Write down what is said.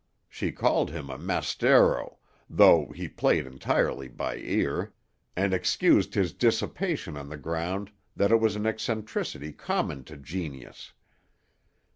She called him a mastero, though he played entirely by ear; and excused his dissipation on the ground that it was an eccentricity common to genius.